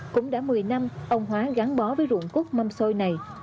cũng đã một mươi năm ông hoa gắn bó với ruộng cúc mâm xôi này